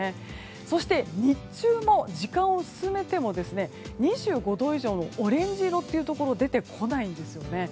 そして日中も時間を進めても２５度以上のオレンジ色のところが出てこないんですよね。